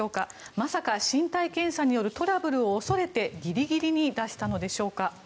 まさか身体検査によるトラブルを恐れてギリギリに出したのでしょうか？